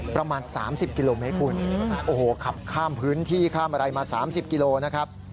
ประมาณ๓๐กิโลเมตรขับข้ามพื้นที่ข้ามอะไรมา๓๐กิโลเมตรนะครับ